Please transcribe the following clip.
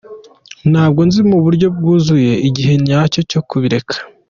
Ntabwo nzi mu buryo bwuzuye igihe nyacyo cyo kubireka.